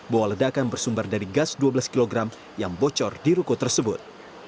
bahwa ledakan bersumber dari gas dua belas kg yang bocor di ruko tersebut